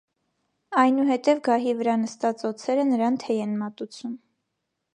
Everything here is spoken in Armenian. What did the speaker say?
Այնուհետև գահի վրա նստած օձերը նրան թեյ են մատուցում։